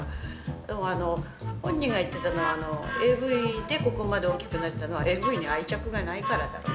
でも本人が言ってたのは「ＡＶでここまで大きくなれたのはＡＶに愛着がないからだろう」と。